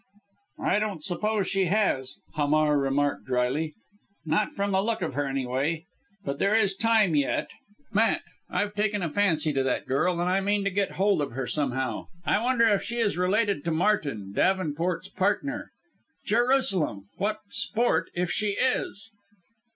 "I don't suppose she has," Hamar remarked dryly, "Not from the look of her anyway. But there is time yet. Matt! I've taken a fancy to that girl and I mean to get hold of her somehow. I wonder if she is related to Martin Davenport's partner! Jerusalem! What sport if she is!"